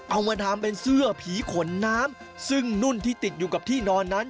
เอามาทำเป็นเสื้อผีขนน้ำซึ่งนุ่นที่ติดอยู่กับที่นอนนั้น